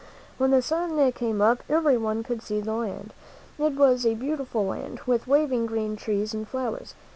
When the sun came up, everyone could see the land. It was a beautiful land, with waving green trees and flowers.